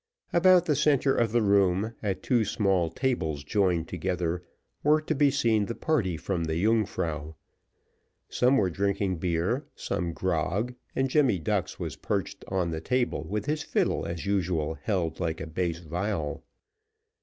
About the centre of the room, at two small tables joined together, were to be seen the party from the Yungfrau: some were drinking beer, some grog, and Jemmy Ducks was perched on the table, with his fiddle as usual held like a bass viol.